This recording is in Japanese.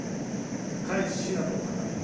甲斐信濃を固めよ。